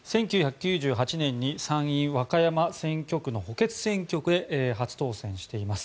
１９９８年に参議院和歌山選挙区の補欠選挙で初当選しています。